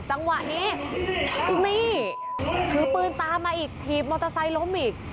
จังหวะนี้นี่ถือปืนตามมาอีกถีบมอเตอร์ไซค์ล้มอีก